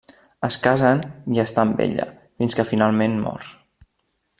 Es casen i està amb ella, fins que finalment mor.